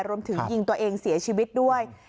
รวมถึงยิงตัวเองเสียชีวิตด้วย